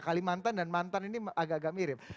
kalimantan dan mantan ini agak agak mirip